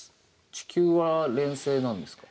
地球は連星なんですか？